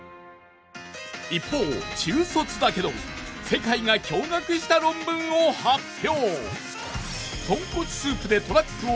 一方中卒だけど世界が驚愕した論文を発表。